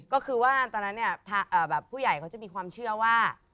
ก็คือว่าตอนนั้นเนี่ยแบบผู้ใหญ่เขาจะมีความเชื่อว่า